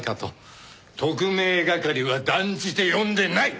特命係は断じて呼んでない！